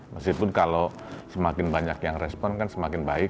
meskipun kalau semakin banyak yang respon kan semakin baik